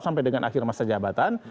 sampai dengan akhir masa jabatan